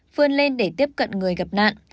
vươn lên để tiếp cận người gặp nạn